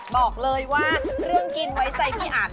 บอกเลยว่าเรื่องกินไว้ใจพี่อัน